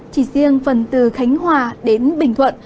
chỉ riêng phần từ khánh hòa đến bình thuận